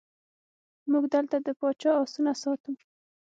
موږ دلته د پاچا آسونه ساتو.